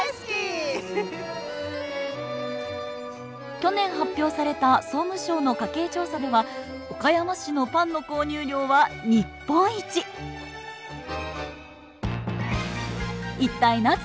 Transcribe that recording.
去年発表された総務省の家計調査では岡山市のパンの購入量は日本一一体なぜ？